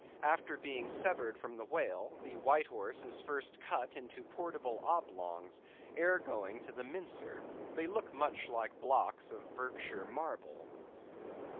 After being severed from the whale, the white horse is first cut into portable oblongs ere going to the mincer. They look much like blocks of Berkshire marble.